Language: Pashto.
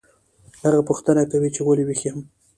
هغه پوښتنه کوي چې ولې ویښ یم